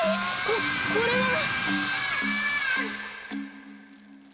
ここれは！？